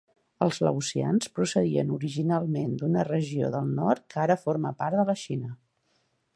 Els laosians procedien originalment d'una regió del nord que ara forma part de la Xina.